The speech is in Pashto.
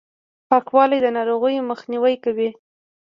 پاکوالي، د ناروغیو مخنیوی کوي.